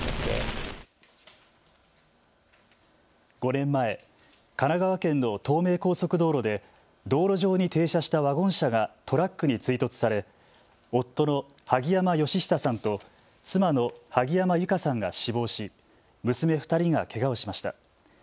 ５年前、神奈川県の東名高速道路で道路上に停車したワゴン車がトラックに追突され夫の萩山嘉久さんと妻の萩山友香さんが死亡し娘２人がけがをしました。